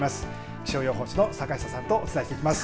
気象予報士の坂下さんとお伝えしていきます。